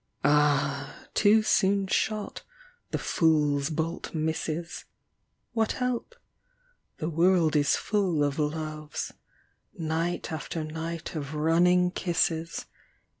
Ah, too soon shot, the fool's bolt misses I What help? the world is full of loves ; Night after night of running kisses.